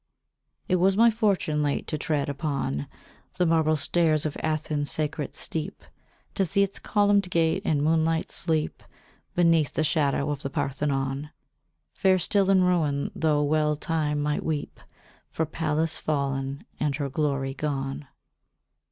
It was my fortune late to tread upon The marble stairs of Athens' sacred steep, To see its columned gate in moonlight sleep Beneath the shadow of the Parthenon, Fair still in ruin, though well Time might weep For Pallas fallen and her glory gone.